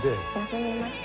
休みました。